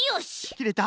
きれた？